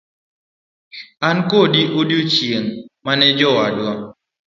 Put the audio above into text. An koda odiochieng' mane jowadwa.